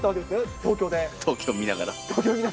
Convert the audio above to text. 東京を見ながら。